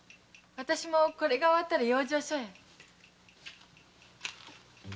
あたしもこれが終わったら養生所へ。